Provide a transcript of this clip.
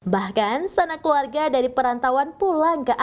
bahkan sana keluarga dari perantauan pula